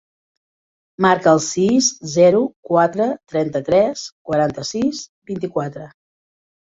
Marca el sis, zero, quatre, trenta-tres, quaranta-sis, vint-i-quatre.